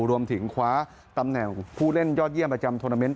รวมถึงคว้าตำแหน่งผู้เล่นยอดเยี่ยมประจำโทรนาเมนต